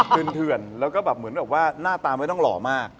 ื่อนแล้วก็แบบเหมือนแบบว่าหน้าตาไม่ต้องหล่อมาก